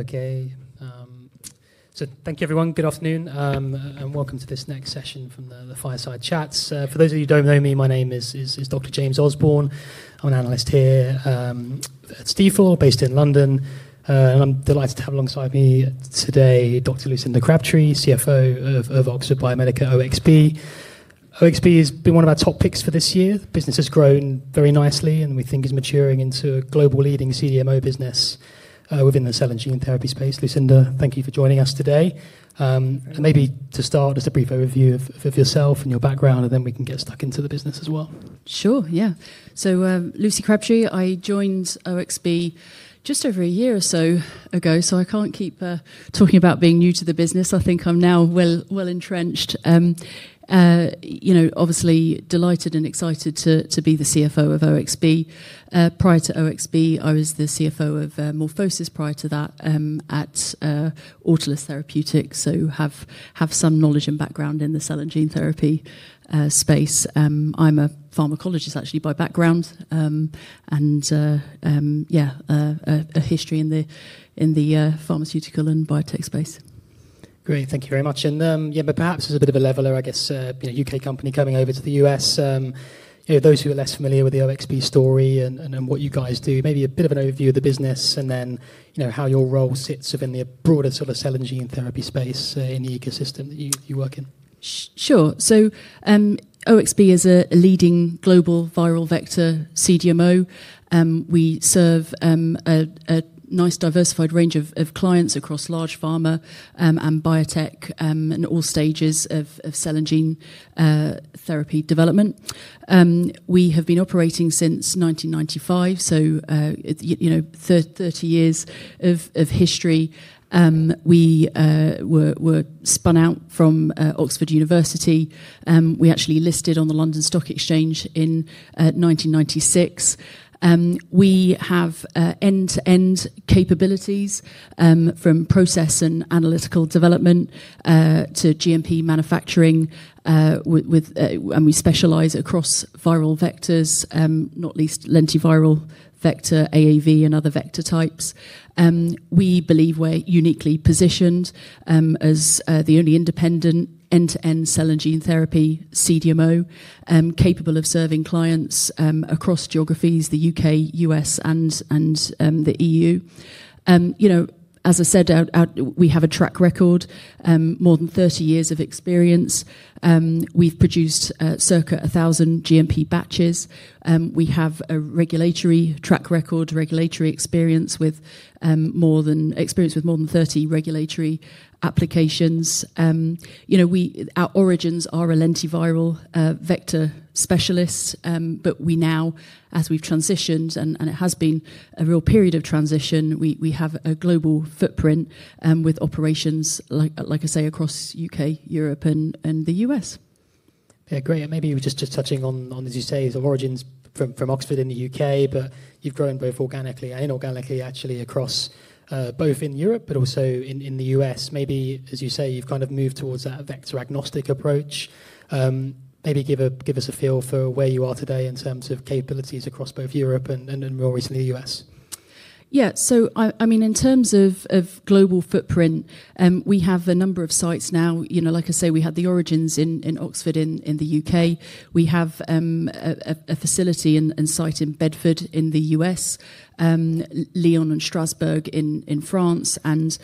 Okay, thank you, everyone. Good afternoon, and welcome to this next session from the fireside chats. For those of you who do not know me, my name is Dr. James Orsborne. I am an analyst here at Stifel, based in London, and I am delighted to have alongside me today Dr. Lucinda Crabtree, CFO of Oxford Biomedica OXB. OXB has been one of our top picks for this year. The business has grown very nicely and we think is maturing into a global leading CDMO business within the cell and gene therapy space. Lucinda, thank you for joining us today. Maybe to start, just a brief overview of yourself and your background, and then we can get stuck into the business as well. Sure, yeah. So Lucinda Crabtree, I joined OXB just over a year or so ago, so I can't keep talking about being new to the business. I think I'm now well entrenched. You know, obviously delighted and excited to be the CFO of OXB. Prior to OXB, I was the CFO of MorphoSys, prior to that at Autolus Therapeutics, so have some knowledge and background in the cell and gene therapy space. I'm a pharmacologist actually by background, and yeah, a history in the pharmaceutical and biotech space. Great, thank you very much. Yeah, perhaps as a bit of a leveler, I guess, you know, U.K. company coming over to the U.S., you know, those who are less familiar with the OXB story and what you guys do, maybe a bit of an overview of the business and then how your role sits within the broader sort of cell and gene therapy space in the ecosystem that you work in. Sure. OXB is a leading global viral vector CDMO. We serve a nice diversified range of clients across large pharma and biotech and all stages of cell and gene therapy development. We have been operating since 1995, so you know, 30 years of history. We were spun out from Oxford University. We actually listed on the London Stock Exchange in 1996. We have end-to-end capabilities from process and analytical development to GMP manufacturing, and we specialize across viral vectors, not least lentiviral vector, AAV, and other vector types. We believe we're uniquely positioned as the only independent end-to-end cell and gene therapy CDMO capable of serving clients across geographies, the U.K., U.S., and the EU. You know, as I said, we have a track record, more than 30 years of experience. We've produced circa 1,000 GMP batches. We have a regulatory track record, regulatory experience with more than 30 regulatory applications. You know, our origins are a lentiviral vector specialist, but we now, as we've transitioned, and it has been a real period of transition, we have a global footprint with operations, like I say, across U.K., Europe, and the U.S. Yeah, great. Maybe we're just touching on, as you say, the origins from Oxford in the U.K., but you've grown both organically and inorganically, actually, across both in Europe, but also in the U.S. Maybe, as you say, you've kind of moved towards that vector-agnostic approach. Maybe give us a feel for where you are today in terms of capabilities across both Europe and more recently the U.S. Yeah, so I mean, in terms of global footprint, we have a number of sites now. You know, like I say, we had the origins in Oxford in the U.K. We have a facility and site in Bedford in the U.S., Lyon and Strasbourg in France, and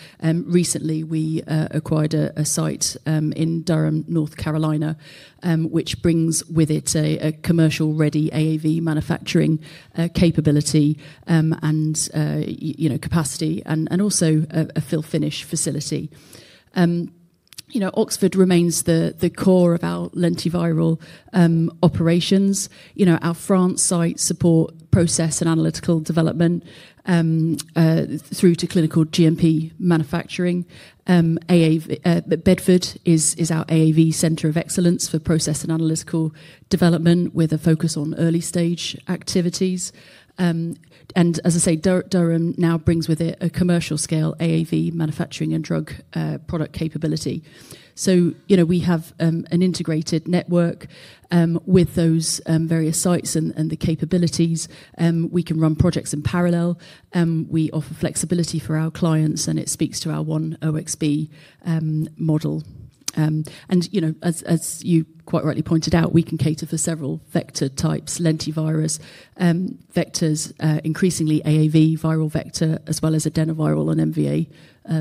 recently we acquired a site in Durham, North Carolina, which brings with it a commercial-ready AAV manufacturing capability and, you know, capacity and also a fill-finish facility. You know, Oxford remains the core of our lentiviral operations. You know, our France site supports process and analytical development through to clinical GMP manufacturing. Bedford is our AAV center of excellence for process and analytical development with a focus on early-stage activities. And as I say, Durham now brings with it a commercial-scale AAV manufacturing and drug product capability. So, you know, we have an integrated network with those various sites and the capabilities. We can run projects in parallel. We offer flexibility for our clients, and it speaks to our one OXB model. You know, as you quite rightly pointed out, we can cater for several vector types, lentiviral vectors, increasingly AAV viral vector, as well as adenoviral and MVA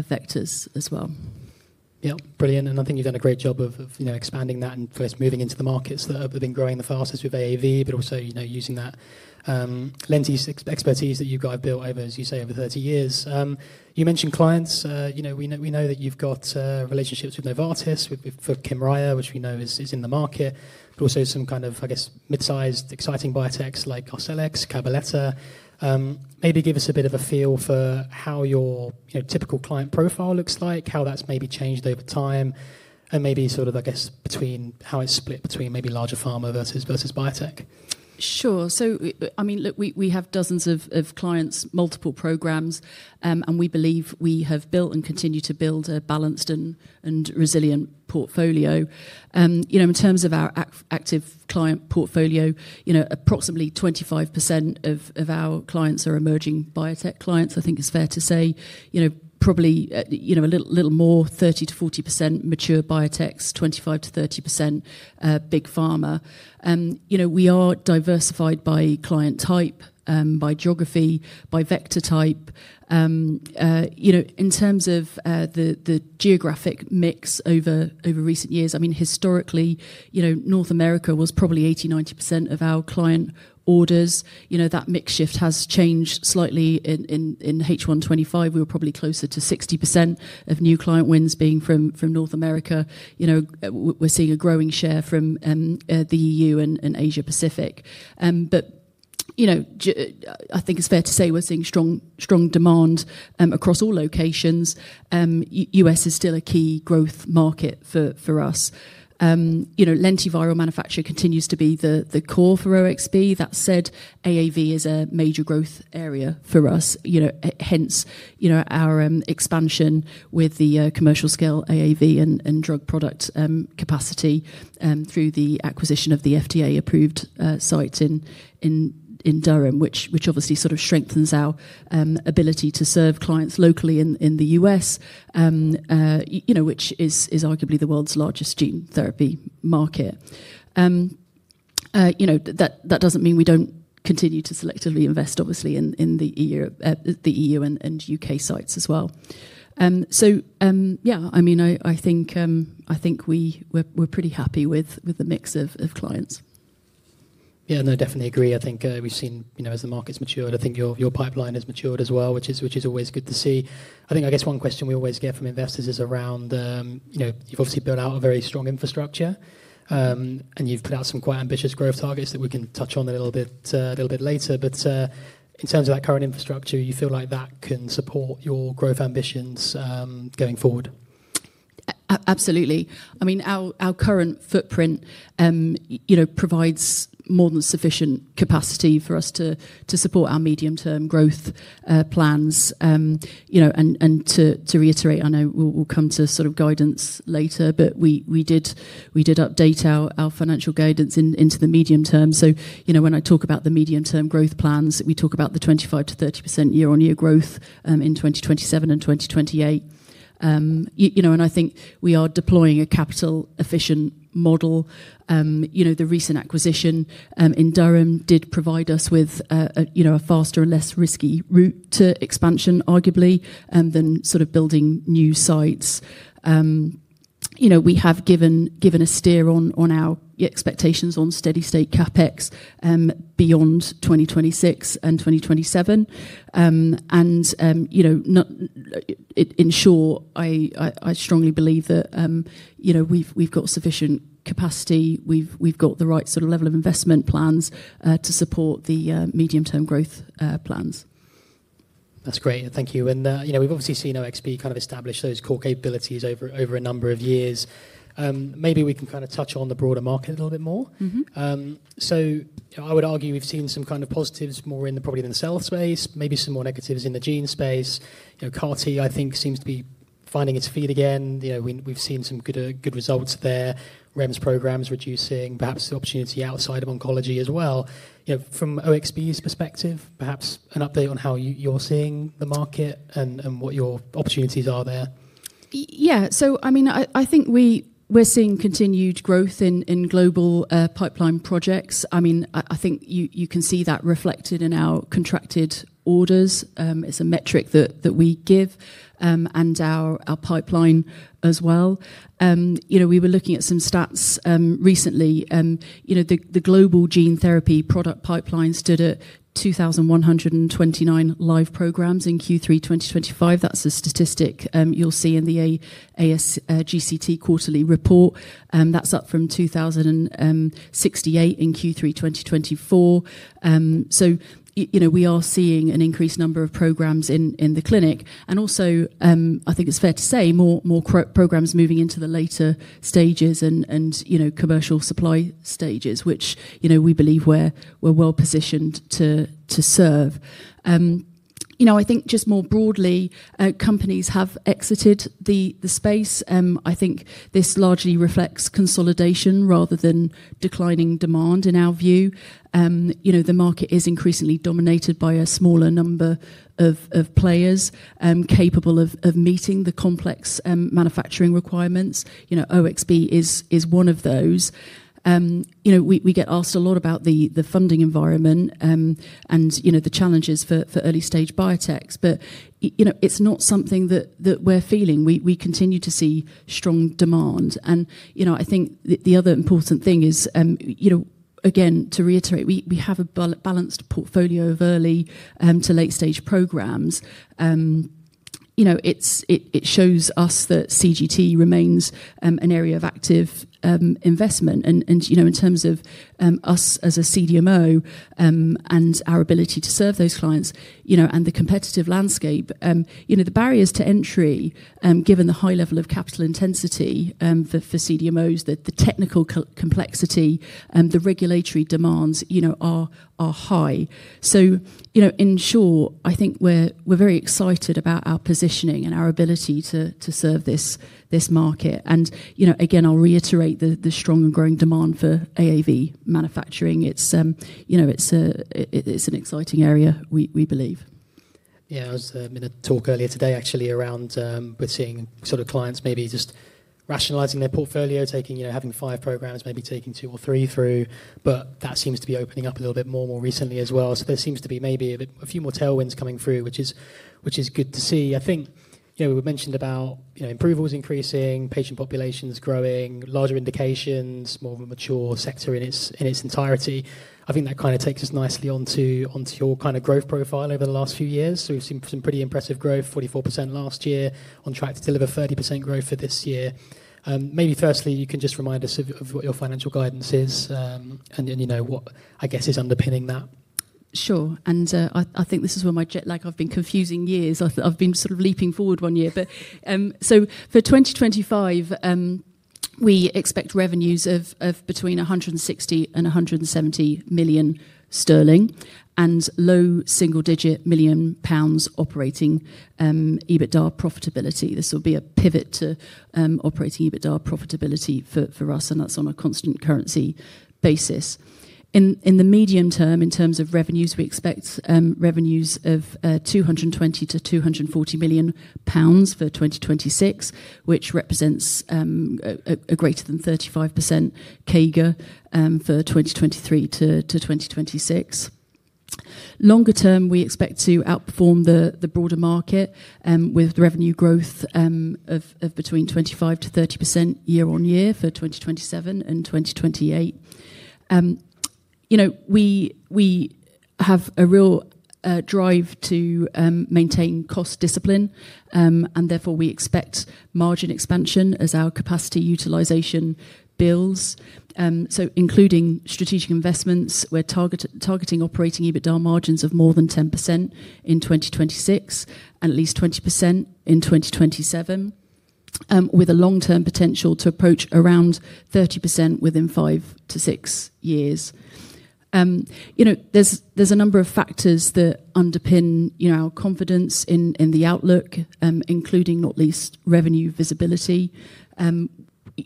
vectors as well. Yeah, brilliant. I think you've done a great job of expanding that and first moving into the markets that have been growing the fastest with AAV, but also, you know, using that lent expertise that you've got built over, as you say, over 30 years. You mentioned clients. You know, we know that you've got relationships with Novartis, with Kymriah, which we know is in the market, but also some kind of, I guess, mid-sized exciting biotechs like Arcellx, Cabaletta. Maybe give us a bit of a feel for how your typical client profile looks like, how that's maybe changed over time, and maybe sort of, I guess, between how it's split between maybe larger pharma versus biotech. Sure. So, I mean, look, we have dozens of clients, multiple programs, and we believe we have built and continue to build a balanced and resilient portfolio. You know, in terms of our active client portfolio, you know, approximately 25% of our clients are emerging biotech clients, I think is fair to say. You know, probably, you know, a little more, 30-40% mature biotechs, 25-30% big pharma. You know, we are diversified by client type, by geography, by vector type. You know, in terms of the geographic mix over recent years, I mean, historically, you know, North America was probably 80-90% of our client orders. You know, that mix shift has changed slightly. In H1 2025, we were probably closer to 60% of new client wins being from North America. You know, we're seeing a growing share from the EU and Asia-Pacific. But, you know, I think it's fair to say we're seeing strong demand across all locations. U.S. is still a key growth market for us. You know, lentiviral manufacture continues to be the core for OXB. That said, AAV is a major growth area for us. You know, hence, you know, our expansion with the commercial-scale AAV and drug product capacity through the acquisition of the FDA-approved site in Durham, which obviously sort of strengthens our ability to serve clients locally in the U.S., you know, which is arguably the world's largest gene therapy market. You know, that doesn't mean we don't continue to selectively invest, obviously, in the EU and U.K. sites as well. Yeah, I mean, I think we're pretty happy with the mix of clients. Yeah, no, definitely agree. I think we've seen, you know, as the market's matured, I think your pipeline has matured as well, which is always good to see. I think, I guess, one question we always get from investors is around, you know, you've obviously built out a very strong infrastructure, and you've put out some quite ambitious growth targets that we can touch on a little bit later. In terms of that current infrastructure, you feel like that can support your growth ambitions going forward? Absolutely. I mean, our current footprint, you know, provides more than sufficient capacity for us to support our medium-term growth plans. You know, and to reiterate, I know we'll come to sort of guidance later, but we did update our financial guidance into the medium term. You know, when I talk about the medium-term growth plans, we talk about the 25%-30% year-on-year growth in 2027 and 2028. You know, and I think we are deploying a capital-efficient model. You know, the recent acquisition in Durham did provide us with, you know, a faster and less risky route to expansion, arguably, than sort of building new sites. You know, we have given a steer on our expectations on steady-state CapEx beyond 2026 and 2027. And, you know, in short, I strongly believe that, you know, we've got sufficient capacity. We've got the right sort of level of investment plans to support the medium-term growth plans. That's great. Thank you. You know, we've obviously seen OXB kind of establish those core capabilities over a number of years. Maybe we can kind of touch on the broader market a little bit more. I would argue we've seen some kind of positives more in the probably in the cell space, maybe some more negatives in the gene space. You know, CAR-T, I think, seems to be finding its feet again. You know, we've seen some good results there. REMS programs reducing perhaps the opportunity outside of oncology as well. You know, from OXB's perspective, perhaps an update on how you're seeing the market and what your opportunities are there. Yeah, so I mean, I think we're seeing continued growth in global pipeline projects. I mean, I think you can see that reflected in our contracted orders. It's a metric that we give and our pipeline as well. You know, we were looking at some stats recently. You know, the global gene therapy product pipeline stood at 2,129 live programs in Q3 2025. That's a statistic you'll see in the ASGCT quarterly report. That's up from 2,068 in Q3 2024. You know, we are seeing an increased number of programs in the clinic. And also, I think it's fair to say more programs moving into the later stages and, you know, commercial supply stages, which, you know, we believe we're well positioned to serve. You know, I think just more broadly, companies have exited the space. I think this largely reflects consolidation rather than declining demand in our view. You know, the market is increasingly dominated by a smaller number of players capable of meeting the complex manufacturing requirements. You know, OXB is one of those. You know, we get asked a lot about the funding environment and, you know, the challenges for early-stage biotechs. You know, it's not something that we're feeling. We continue to see strong demand. You know, I think the other important thing is, you know, again, to reiterate, we have a balanced portfolio of early to late-stage programs. You know, it shows us that CGT remains an area of active investment. You know, in terms of us as a CDMO and our ability to serve those clients, you know, and the competitive landscape, you know, the barriers to entry, given the high level of capital intensity for CDMOs, the technical complexity and the regulatory demands, you know, are high. You know, in short, I think we're very excited about our positioning and our ability to serve this market. You know, again, I'll reiterate the strong and growing demand for AAV manufacturing. You know, it's an exciting area, we believe. Yeah, I was in a talk earlier today, actually, around we're seeing sort of clients maybe just rationalizing their portfolio, taking, you know, having five programs, maybe taking two or three through, but that seems to be opening up a little bit more recently as well. There seems to be maybe a few more tailwinds coming through, which is good to see. I think, you know, we mentioned about, you know, improvements increasing, patient populations growing, larger indications, more of a mature sector in its entirety. I think that kind of takes us nicely onto your kind of growth profile over the last few years. We've seen some pretty impressive growth, 44% last year, on track to deliver 30% growth for this year. Maybe firstly, you can just remind us of what your financial guidance is and, you know, what I guess is underpinning that. Sure. I think this is where my, like, I've been confusing years. I've been sort of leaping forward one year. For 2025, we expect revenues of between 160 million and 170 million sterling and low single-digit million pounds operating EBITDA profitability. This will be a pivot to operating EBITDA profitability for us, and that's on a constant currency basis. In the medium term, in terms of revenues, we expect revenues of 220 million-240 million pounds for 2026, which represents a greater than 35% CAGR for 2023 to 2026. Longer term, we expect to outperform the broader market with revenue growth of between 25%-30% year-on-year for 2027 and 2028. You know, we have a real drive to maintain cost discipline, and therefore we expect margin expansion as our capacity utilisation builds. Including strategic investments, we're targeting operating EBITDA margins of more than 10% in 2026 and at least 20% in 2027, with a long-term potential to approach around 30% within five to six years. You know, there's a number of factors that underpin, you know, our confidence in the outlook, including not least revenue visibility.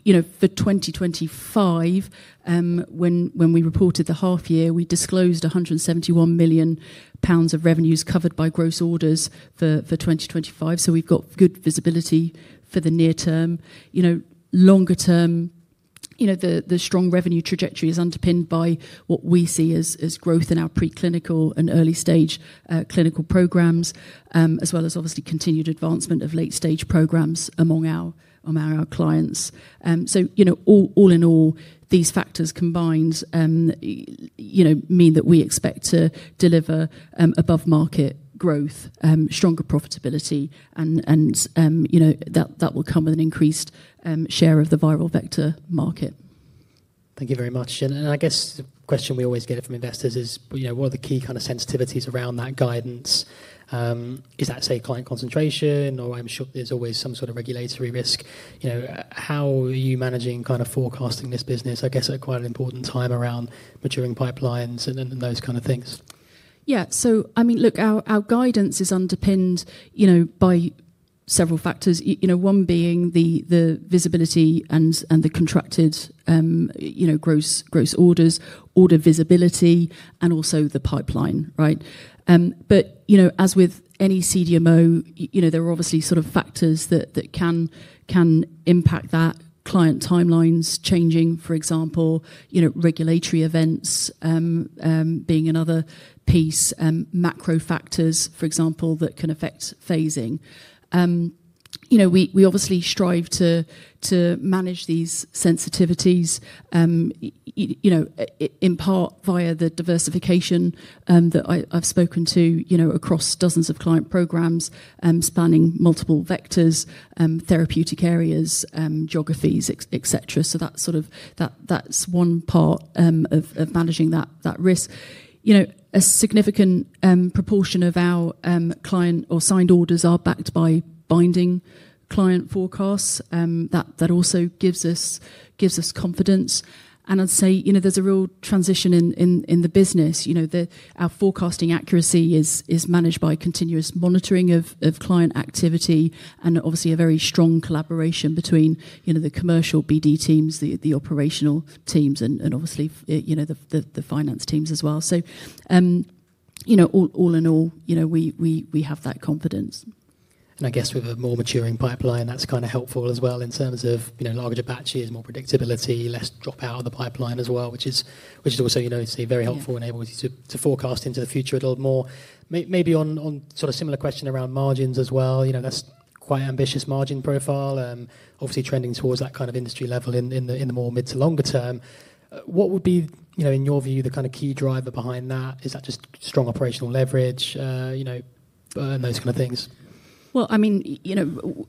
You know, for 2025, when we reported the half year, we disclosed 171 million pounds of revenues covered by gross orders for 2025. So we've got good visibility for the near term. You know, longer term, you know, the strong revenue trajectory is underpinned by what we see as growth in our preclinical and early-stage clinical programs, as well as obviously continued advancement of late-stage programs among our clients. All in all, these factors combined, you know, mean that we expect to deliver above-market growth, stronger profitability, and, you know, that will come with an increased share of the viral vector market. Thank you very much. I guess the question we always get from investors is, you know, what are the key kind of sensitivities around that guidance? Is that, say, client concentration, or I'm sure there's always some sort of regulatory risk? You know, how are you managing kind of forecasting this business? I guess at quite an important time around maturing pipelines and those kind of things. Yeah, so I mean, look, our guidance is underpinned, you know, by several factors. You know, one being the visibility and the contracted, you know, gross orders, order visibility, and also the pipeline, right? But, you know, as with any CDMO, you know, there are obviously sort of factors that can impact that. Client timelines changing, for example, you know, regulatory events being another piece, macro factors, for example, that can affect phasing. You know, we obviously strive to manage these sensitivities, you know, in part via the diversification that I've spoken to, you know, across dozens of client programs, spanning multiple vectors, therapeutic areas, geographies, etc. That's sort of, that's one part of managing that risk. You know, a significant proportion of our client or signed orders are backed by binding client forecasts. That also gives us confidence. I'd say, you know, there's a real transition in the business. You know, our forecasting accuracy is managed by continuous monitoring of client activity and obviously a very strong collaboration between, you know, the commercial BD teams, the operational teams, and obviously, you know, the finance teams as well. You know, all in all, you know, we have that confidence. I guess with a more maturing pipeline, that's kind of helpful as well in terms of, you know, larger batches, more predictability, less dropout of the pipeline as well, which is also, you know, very helpful and enables you to forecast into the future a little more. Maybe on sort of a similar question around margins as well, you know, that's quite an ambitious margin profile, obviously trending towards that kind of industry level in the more mid to longer term. What would be, you know, in your view, the kind of key driver behind that? Is that just strong operational leverage, you know, and those kind of things? I mean, you know,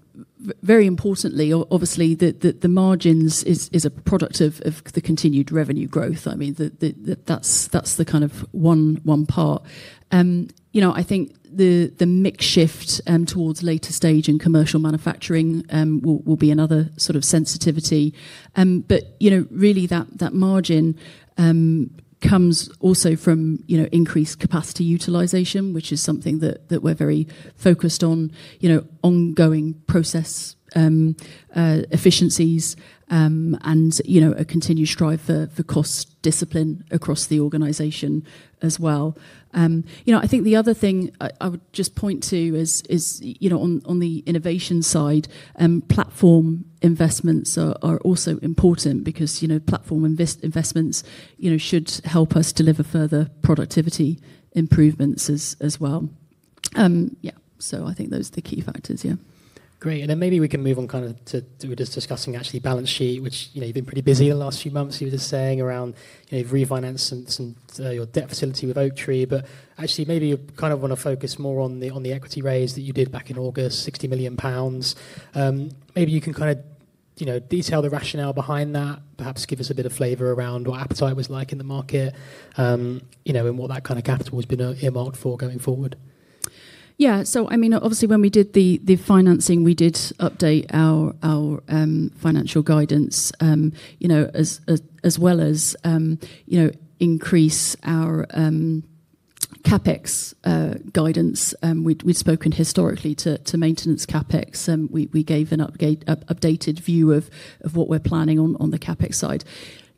very importantly, obviously the margins is a product of the continued revenue growth. I mean, that's the kind of one part. You know, I think the mix shift towards later stage in commercial manufacturing will be another sort of sensitivity. You know, really that margin comes also from, you know, increased capacity utilization, which is something that we're very focused on, you know, ongoing process efficiencies and, you know, a continued strive for cost discipline across the organization as well. You know, I think the other thing I would just point to is, you know, on the innovation side, platform investments are also important because, you know, platform investments, you know, should help us deliver further productivity improvements as well. Yeah, I think those are the key factors, yeah. Great. Maybe we can move on kind of to just discussing actually balance sheet, which, you know, you've been pretty busy in the last few months, you were just saying around, you know, refinancing your debt facility with Oaktree. Actually maybe you kind of want to focus more on the equity raise that you did back in August, 60 million pounds. Maybe you can kind of, you know, detail the rationale behind that, perhaps give us a bit of flavor around what appetite was like in the market, you know, and what that kind of capital has been earmarked for going forward. Yeah, so I mean, obviously when we did the financing, we did update our financial guidance, you know, as well as, you know, increase our CapEx guidance. We'd spoken historically to maintenance CapEx, and we gave an updated view of what we're planning on the CapEx side.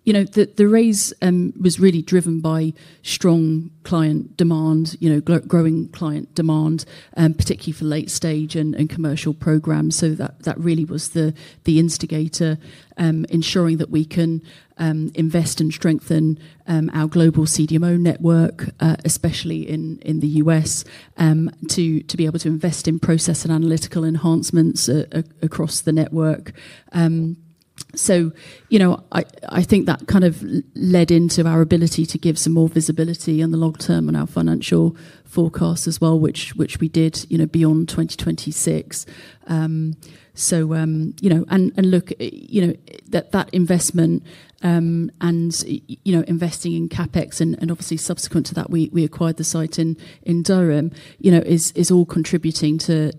You know, the raise was really driven by strong client demand, you know, growing client demand, particularly for late-stage and commercial programs. That really was the instigator, ensuring that we can invest and strengthen our global CDMO network, especially in the U.S., to be able to invest in process and analytical enhancements across the network. You know, I think that kind of led into our ability to give some more visibility in the long term and our financial forecast as well, which we did, you know, beyond 2026. You know, that investment and, you know, investing in CapEx and obviously subsequent to that, we acquired the site in Durham, you know, is all contributing to,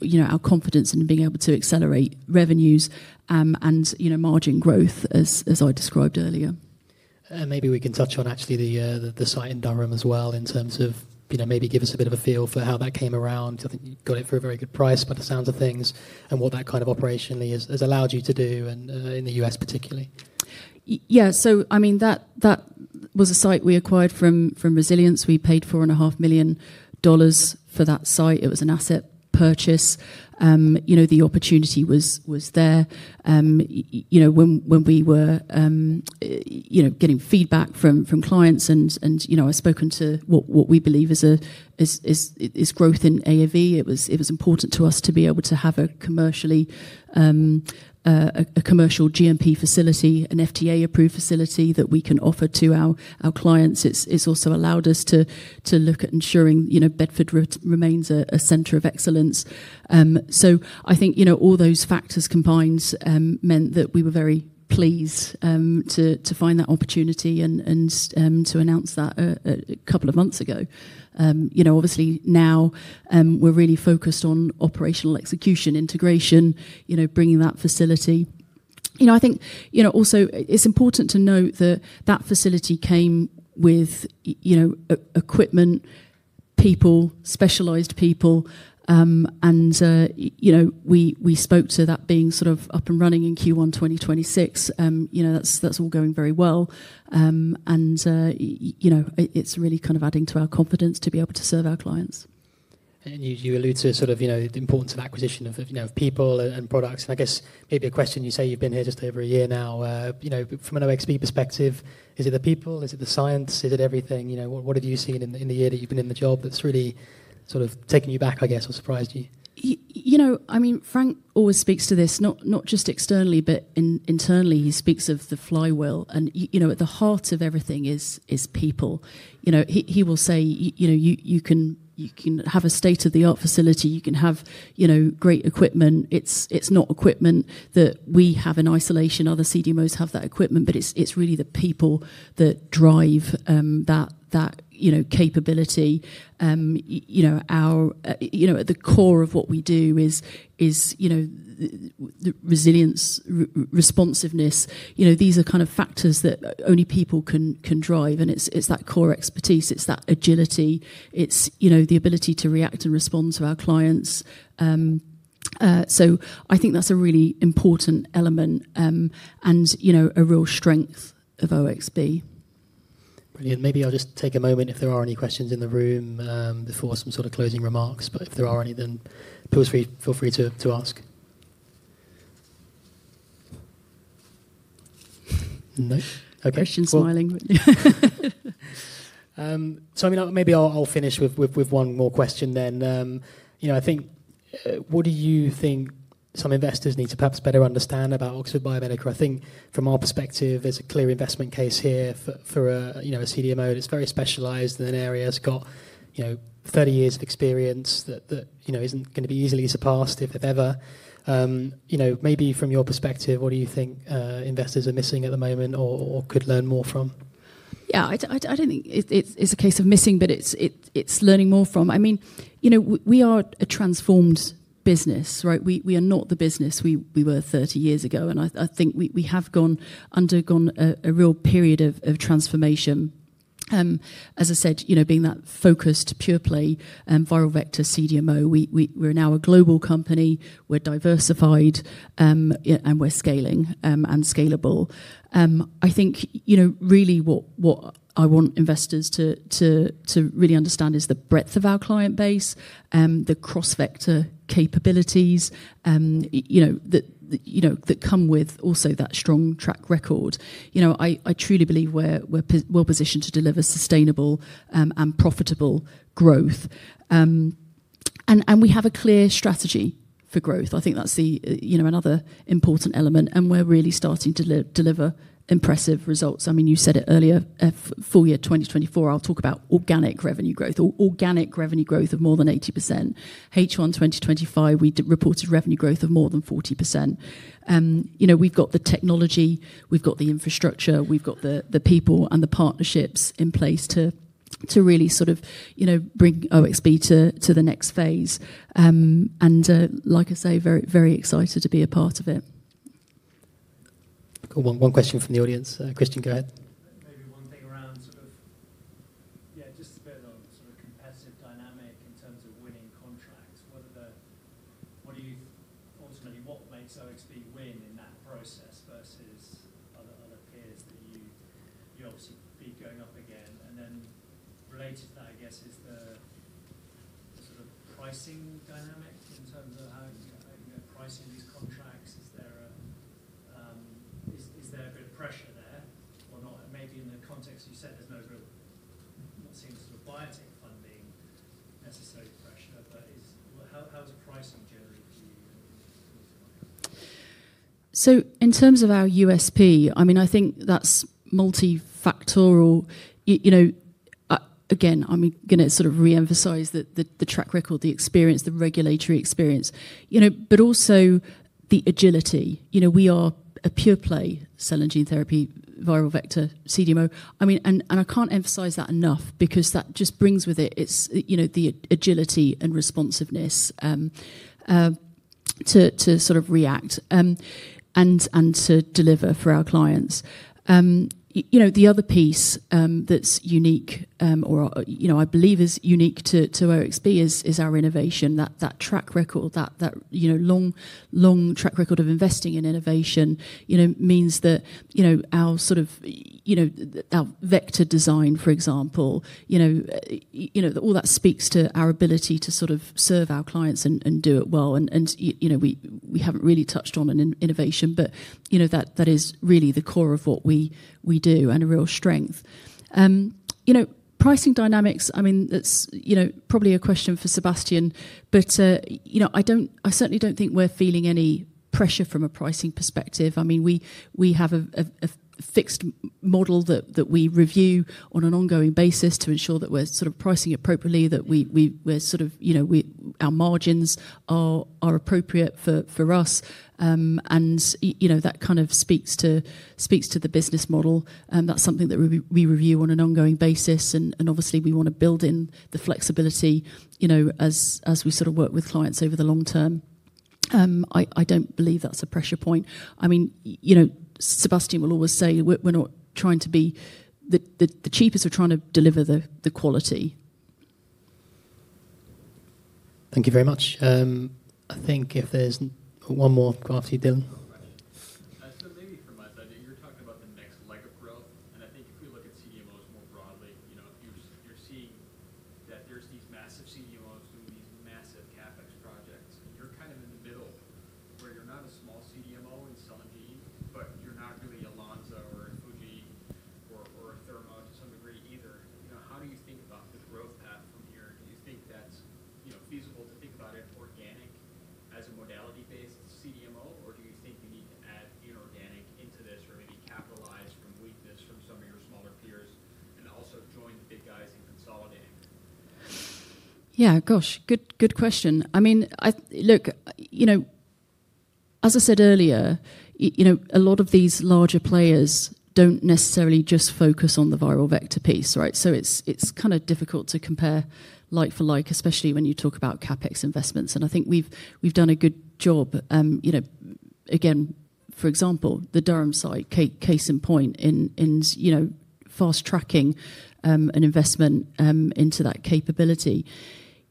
you know, our confidence in being able to accelerate revenues and, you know, margin growth, as I described earlier. Maybe we can touch on actually the site in Durham as well in terms of, you know, maybe give us a bit of a feel for how that came around. I think you got it for a very good price by the sounds of things and what that kind of operationally has allowed you to do in the U.S. particularly. Yeah, so I mean, that was a site we acquired from Resilience. We paid $4.5 million for that site. It was an asset purchase. You know, the opportunity was there. You know, when we were, you know, getting feedback from clients and, you know, I've spoken to what we believe is growth in AAV. It was important to us to be able to have a commercial GMP facility, an FDA-approved facility that we can offer to our clients. It's also allowed us to look at ensuring, you know, Bedford remains a center of excellence. I think, you know, all those factors combined meant that we were very pleased to find that opportunity and to announce that a couple of months ago. You know, obviously now we're really focused on operational execution integration, you know, bringing that facility. You know, I think, you know, also it's important to note that that facility came with, you know, equipment, people, specialized people, and, you know, we spoke to that being sort of up and running in Q1 2026. You know, that's all going very well. You know, it's really kind of adding to our confidence to be able to serve our clients. You allude to sort of, you know, the importance of acquisition of, you know, people and products. I guess maybe a question, you say you've been here just over a year now, you know, from an OXB perspective, is it the people, is it the science, is it everything, you know, what have you seen in the year that you've been in the job that's really sort of taken you back, I guess, or surprised you? You know, I mean, Frank always speaks to this, not just externally, but internally. He speaks of the flywheel. And, you know, at the heart of everything is people. You know, he will say, you know, you can have a state-of-the-art facility, you can have, you know, great equipment. It's not equipment that we have in isolation. Other CDMOs have that equipment, but it's really the people that drive that, you know, capability. You know, at the core of what we do is, you know, the resilience, responsiveness, you know, these are kind of factors that only people can drive. And it's that core expertise. It's that agility. It's, you know, the ability to react and respond to our clients. I think that's a really important element and, you know, a real strength of OXB. Brilliant. Maybe I'll just take a moment if there are any questions in the room before some sort of closing remarks. If there are any, then feel free to ask. No? Okay. Question smiling. I mean, maybe I'll finish with one more question then. You know, I think, what do you think some investors need to perhaps better understand about Oxford Biomedica? I think from our perspective, there's a clear investment case here for a, you know, a CDMO. It's very specialized in an area. It's got, you know, 30 years of experience that, you know, isn't going to be easily surpassed if ever. You know, maybe from your perspective, what do you think investors are missing at the moment or could learn more from? Yeah, I do not think it is a case of missing, but it is learning more from. I mean, you know, we are a transformed business, right? We are not the business we were 30 years ago. I think we have undergone a real period of transformation. As I said, you know, being that focused pure play viral vector CDMO, we are now a global company. We are diversified and we are scaling and scalable. I think, you know, really what I want investors to really understand is the breadth of our client base, the cross-vector capabilities, you know, that, you know, that come with also that strong track record. You know, I truly believe we are well positioned to deliver sustainable and profitable growth. We have a clear strategy for growth. I think that is the, you know, another important element. We are really starting to deliver impressive results. I mean, you said it earlier, full year 2024, I'll talk about organic revenue growth, organic revenue growth of more than 80%. H1 2025, we reported revenue growth of more than 40%. You know, we've got the technology, we've got the infrastructure, we've got the people and the partnerships in place to really sort of, you know, bring OXB to the next phase. And like I say, very, very excited to be a part of it. One question from the audience. Christian, go ahead. Maybe one thing around sort of, yeah, just a bit on sort of competitive dynamic in terms of winning contracts. What are the, what do you ultimately, what makes OXB win in that process versus other peers that you obviously beat going up again? Then related to that, I guess, is the sort of pricing dynamic in terms of how, you know, pricing these contracts? Is there a bit of pressure there or not? Maybe in the context you said, there's no real seeming sort of biotech funding necessary pressure, but how is pricing generally for you? In terms of our USP, I mean, I think that's multifactorial. You know, again, I'm going to sort of re-emphasize the track record, the experience, the regulatory experience, you know, but also the agility. You know, we are a pure play cell and gene therapy viral vector CDMO. I mean, and I can't emphasize that enough because that just brings with it, you know, the agility and responsiveness to sort of react and to deliver for our clients. You know, the other piece that's unique or, you know, I believe is unique to OXB is our innovation. That track record, that, you know, long, long track record of investing in innovation, you know, means that, you know, our sort of, you know, our vector design, for example, you know, all that speaks to our ability to sort of serve our clients and do it well. You know, we haven't really touched on innovation, but, you know, that is really the core of what we do and a real strength. You know, pricing dynamics, I mean, that's probably a question for Sébastien, but, you know, I don't, I certainly don't think we're feeling any pressure from a pricing perspective. I mean, we have a fixed model that we review on an ongoing basis to ensure that we're sort of pricing appropriately, that we're sort of, you know, our margins are appropriate for us. You know, that kind of speaks to the business model. That's something that we review on an ongoing basis. Obviously we want to build in the flexibility, you know, as we sort of work with clients over the long term. I don't believe that's a pressure point. I mean, you know, Sébastien will always say we're not trying to be the cheapest, we're trying to deliver the quality. Thank you very much. I think if there's one more, after you, Dylan.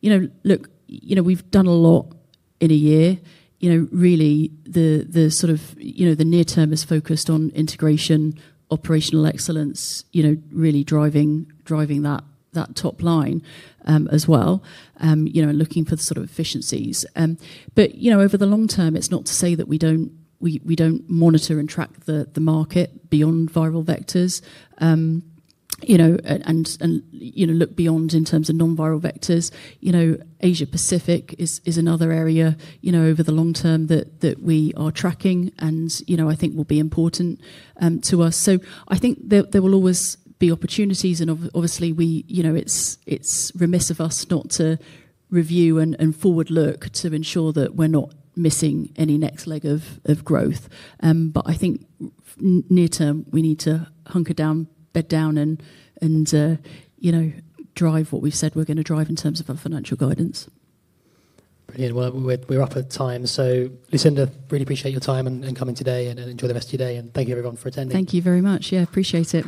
You know, look, we have done a lot in a year. Really the sort of, you know, the near term is focused on integration, operational excellence, really driving that top line as well, and looking for the sort of efficiencies. You know, over the long term, it's not to say that we don't monitor and track the market beyond viral vectors, you know, and, you know, look beyond in terms of non-viral vectors. You know, Asia Pacific is another area, you know, over the long term that we are tracking and, you know, I think will be important to us. I think there will always be opportunities. Obviously we, you know, it's remiss of us not to review and forward look to ensure that we're not missing any next leg of growth. I think near term we need to hunker down, bed down, and, you know, drive what we've said we're going to drive in terms of our financial guidance. Brilliant. We are up at time. Lucinda, really appreciate your time and coming today. Enjoy the rest of your day. Thank you everyone for attending. Thank you very much. Yeah, appreciate it.